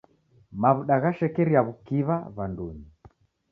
Maw'uda ghashekeria w'ukiwa w'andunyi.